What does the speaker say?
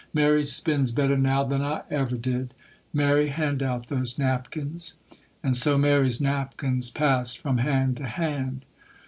Mary spins better now than I ever did; Mary, hand out those napkins.' And so Mary's napkins passed from hand to hand.